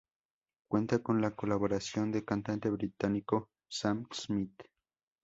Cuenta con la colaboración del cantante británico Sam Smith.